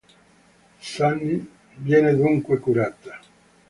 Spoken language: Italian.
Sunny viene dunque curata.